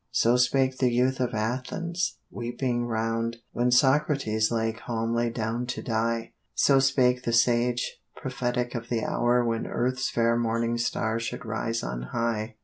So spake the youth of Athens, weeping round, When Socrates lay calmly down to die; So spake the sage, prophetic of the hour When earth's fair morning star should rise on high.